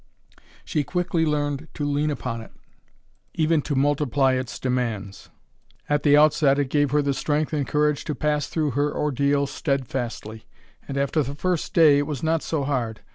She quickly learned to lean upon it, even to multiply its demands. At the outset it gave her the strength and courage to pass through her ordeal steadfastly; and after the first day it was not so hard.